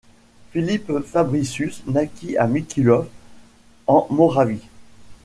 Filip Fabricius naquit à Mikulov, en Moravie.